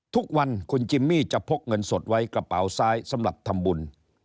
ทุกวันคุณจิมมี่จะพกเงินสดไว้กระเป๋าซ้ายสำหรับทำบุญ